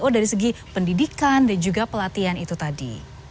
dari segi pendidikan dan juga pelatihan itu tadi